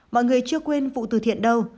mọi người chưa quên vụ từ thiện đâu